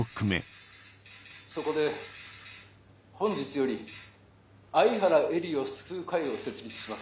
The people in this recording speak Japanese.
そこで本日より「愛原絵理を救う会」を設立します。